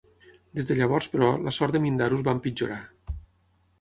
Des de llavors, però, la sort de Mindarus va empitjorar.